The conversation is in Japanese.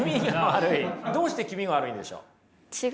どうして気味が悪いんでしょう？